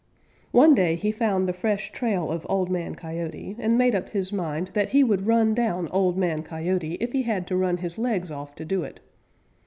One day he found the fresh trail of Old Man Coyote and made up his mind that he would run down Old Man Coyote if he had to run his legs off to do it.